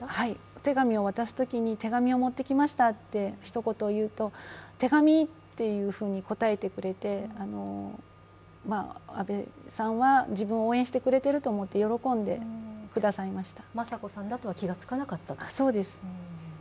お手紙を渡す時に、手紙を持ってきましたとひと言、言うと、手紙というふうに答えてくれて安倍さんは自分を応援してくれていると思って雅子さんだとは気がつかなかった？